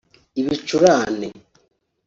ibicurane